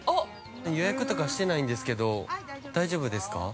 予約とかしてないんですけど大丈夫ですか？